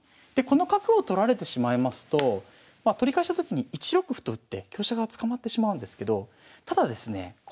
でこの角を取られてしまいますと取り返したときに１六歩と打って香車が捕まってしまうんですけどただですねえ